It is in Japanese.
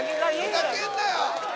ふざけんなよ！